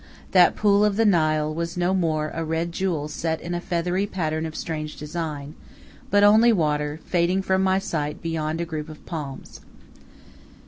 That pool of the Nile was no more a red jewel set in a feathery pattern of strange design, but only water fading from my sight beyond a group of palms.